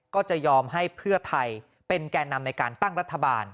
ก็จะยอมให้เพื่อไทยเป็นแก่นำในการตั้งรัฐบาล